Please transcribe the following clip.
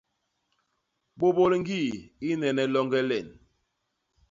Bôbôl ñgi i nnene longe len.